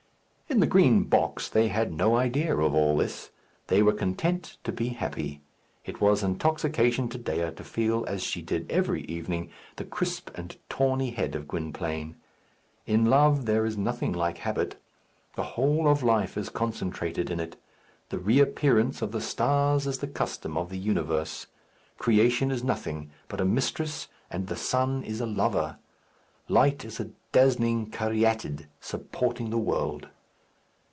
In the Green Box they had no idea of all this. They were content to be happy. It was intoxication to Dea to feel, as she did every evening, the crisp and tawny head of Gwynplaine. In love there is nothing like habit. The whole of life is concentrated in it. The reappearance of the stars is the custom of the universe. Creation is nothing but a mistress, and the sun is a lover. Light is a dazzling caryatid supporting the world.